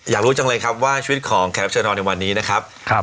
อยากรู้จังเลยครับว่าชีวิตของแขกรับเชิญนอนในวันนี้นะครับ